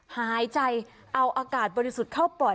หายใจเอาอากาศบริสุทธิ์เข้าปอด